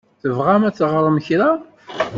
Tebɣam ad teɣṛem kra?